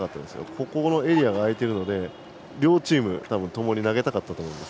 ここのエリアが空いているので両チーム、ともに投げたかったと思います。